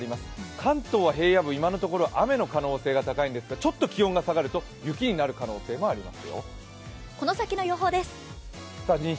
関東は平野部、今のところ雨の可能性が高いんですけど、ちょっと気温が下がると雪になる可能性もあります。